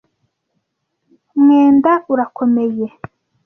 mwenda urakomeye.